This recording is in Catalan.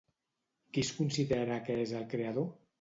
Qui es considera que és el Creador?